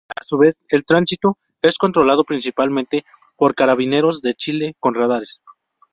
A su vez, el tránsito es controlado principalmente por Carabineros de Chile con radares.